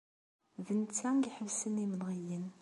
D netta i iḥebbsen imenɣiyen.